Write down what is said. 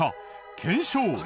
検証。